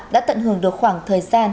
đã tận hưởng được khoảng thời gian